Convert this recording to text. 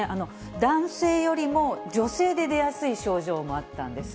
男性よりも女性で出やすい症状もあったんです。